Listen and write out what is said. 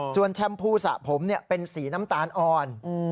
ส่วนแชมพูสะผมเป็นสีน้ำตาลอ่อน